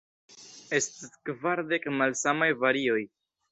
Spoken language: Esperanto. Estas kvardek malsamaj varioj.